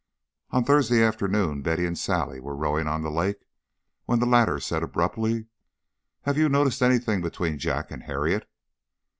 On Thursday afternoon Betty and Sally were rowing on the lake when the latter said abruptly, "Have you noticed anything between Jack and Harriet?"